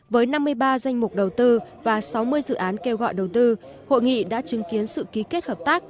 với năm mươi ba danh mục đầu tư và sáu mươi dự án kêu gọi đầu tư hội nghị đã chứng kiến sự ký kết hợp tác